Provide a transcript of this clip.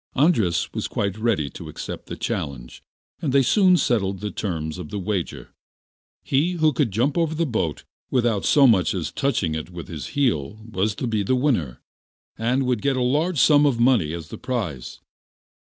Andras was quite ready to accept the challenge, and they soon settled the terms of the wager. He who could jump over the boat without so much as touching it with his heel was to be the winner, and would get a large sum of money as the prize.